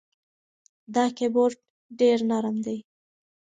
دا کیبورد ډېر نرم دی.